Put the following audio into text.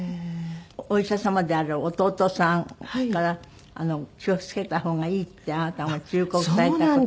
お医者様である弟さんから「気を付けた方がいい」ってあなたも忠告された事がある？